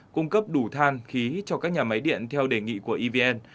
cung cấp đủ than khí cho các nhà máy điện theo đề nghị của evn